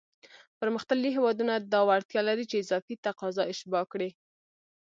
پرمختللی هېوادونه دا وړتیا لري چې اضافي تقاضا اشباع کړي.